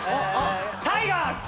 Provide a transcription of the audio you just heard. タイガース！